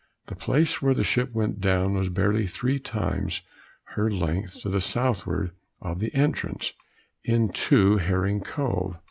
The place where the ship went down was barely three times her length to the southward of the entrance into Herring Cove.